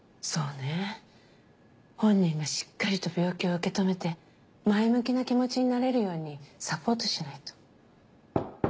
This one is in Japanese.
そうね本人がしっかりと病気を受け止めて前向きな気持ちになれるようにサポートしないと。